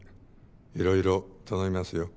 いろいろ頼みますよ。